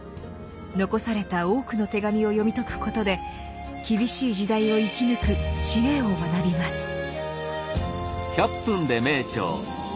残された多くの手紙を読み解くことで厳しい時代を生き抜く知恵を学びます。